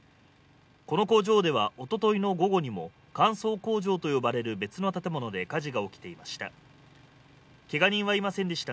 この工場ではおとといの午後にも乾燥工場と呼ばれる別の建物で火事が起きていました。